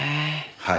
はい。